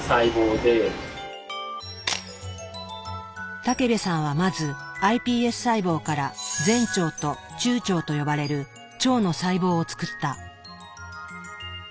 武部さんはまずｉＰＳ細胞から前腸と中腸と呼ばれる「腸の細胞」を作った。